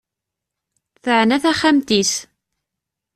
Teɛna taxxmat-is.